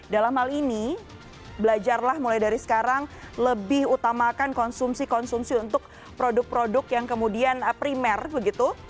dalam hal ini belajarlah mulai dari sekarang lebih utamakan konsumsi konsumsi untuk produk produk yang kemudian primer begitu